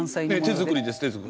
手作りです。